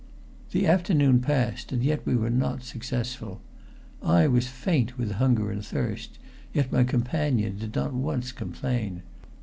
The afternoon passed, and yet we were not successful. I was faint with hunger and thirst, yet my companion did not once complain.